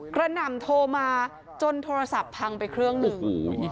หน่ำโทรมาจนโทรศัพท์พังไปเครื่องหนึ่ง